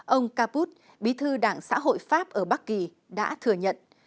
ông caput bí thư đảng xã hội pháp ở bắc kỳ đã thừa nhận